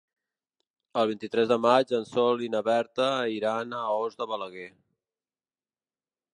El vint-i-tres de maig en Sol i na Berta iran a Os de Balaguer.